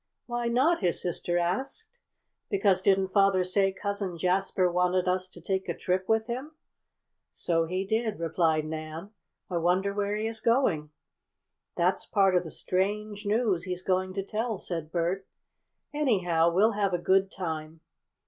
"Why not?" his sister asked. "Because didn't father say Cousin Jasper wanted us to take a trip with him?" "So he did," replied Nan. "I wonder where he is going." "That's part of the strange news he's going to tell," said Bert. "Anyhow we'll have a good time."